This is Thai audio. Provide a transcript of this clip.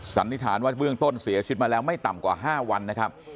สันนิษฐานว่าเบื้องต้นเสียชีวิตมาแล้วไม่ต่ำกว่า๕วันนะครับ